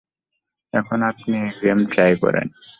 এখন আপনি এই গেম ট্রাই করেন।